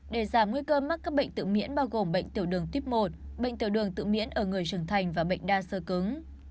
để giảm nguy cơ mắc các bệnh tự miễn bao gồm bệnh tiểu đường tuyếp một bệnh tiểu đường tự miễn ở người trưởng thành và bệnh đa sơ cứng